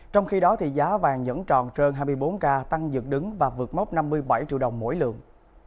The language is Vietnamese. trong khi đó giá vàng nhẫn tròn trơn hai mươi bốn k tăng dược đứng và vượt mốc năm mươi bảy triệu đồng mỗi lượng